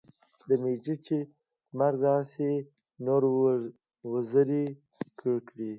د میږي چي مرګ راسي نو، وزري وکړي.